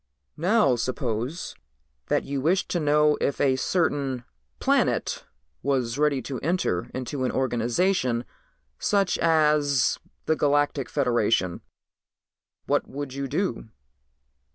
"Now suppose that you wished to know if a certain planet was ready to enter into an organization such as the Galactic Federation, what would you do?"